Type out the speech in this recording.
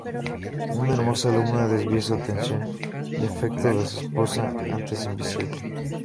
Una hermosa alumna desvía su atención y afecto de su esposa, antes invisible.